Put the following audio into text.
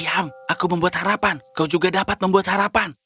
ya aku membuat harapan kau juga dapat membuat harapan